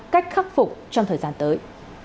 cách khắc phục trong thời gian tới